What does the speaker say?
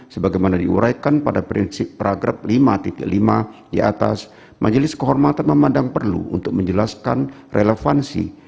sebagaimana diuraikan pada prinsip pragrap lima lima di atas majelis kehormatan memandang perlu untuk menjelaskan relevansi